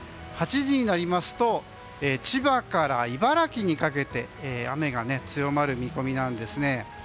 ８時になりますと千葉から茨城にかけて雨が強まる見込みなんですね。